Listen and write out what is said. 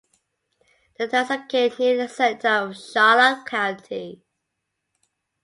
The town is located near the center of Charlotte County.